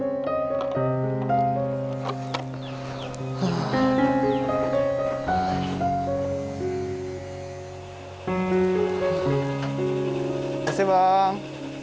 terima kasih bang